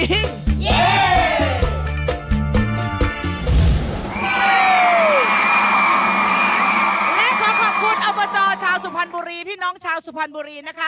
และขอขอบคุณอบจชาวสุพรรณบุรีพี่น้องชาวสุพรรณบุรีนะคะ